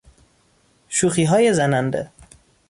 شوخیهای زننده